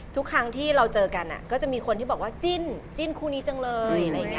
ทุกครั้งที่เราเจอกันก็จะมีคนที่บอกว่าจิ้นจิ้นคู่นี้จังเลยอะไรอย่างนี้